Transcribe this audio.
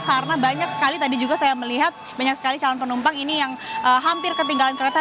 karena banyak sekali tadi juga saya melihat banyak sekali calon penumpang ini yang hampir ketinggalan kereta